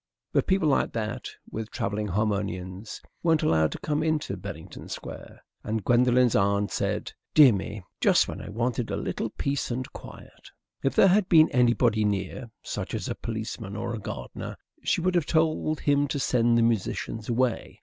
But people like that, with travelling harmoniums, weren't allowed to come into Bellington Square, and Gwendolen's aunt said, "Dear me, just when I wanted a little peace and quiet!" If there had been anybody near, such as a policeman or a gardener, she would have told him to send the musicians away.